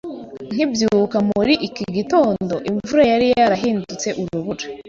Nkibyuka muri iki gitondo, imvura yari yarahindutse urubura.